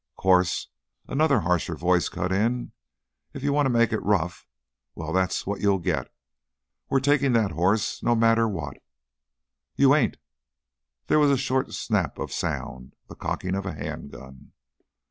"'Course," another, harsher voice cut in, "if you want to make it rough, well, that's what you'll git! We're takin' that hoss, no matter what!" "You ain't!" There was a short snap of sound, the cocking of a hand gun.